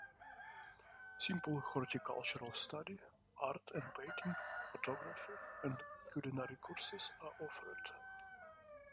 Simple horticultural study, art and painting, photography, and culinary courses are offered.